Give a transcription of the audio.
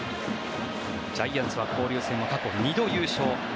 ジャイアンツは交流戦は過去２度優勝。